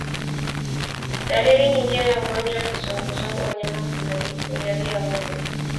Dalili nyingine ya ugonjwa wa kizunguzungu wanyama hulialia hovyo